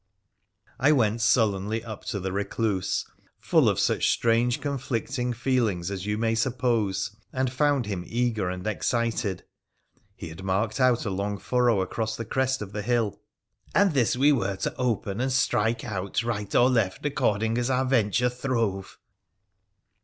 I went sullenly up to the recluse, full of such strange, con flicting feelings as you may suppose, and found him eager and excited. He had marked out a long furrow across the crest of the bill, ' and this we were to open and strike out right or left according as our venture throve.'